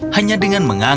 kalau tidak akan manfaat